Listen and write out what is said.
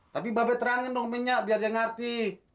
tapi babet terangin dong ke nyak biar dia ngerti